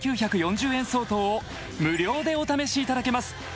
５９４０円相当を無料でお試しいただけます